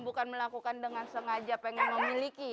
bukan melakukan dengan sengaja pengen memiliki